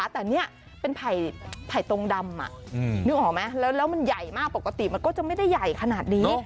แต่นี่เป็นไผ่ตรงดำนึกออกไหมแล้วมันใหญ่มากปกติมันก็จะไม่ได้ใหญ่ขนาดนี้